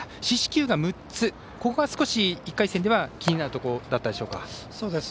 四死球が６つ、ここが少し１回戦では気になるところだったでしょうか。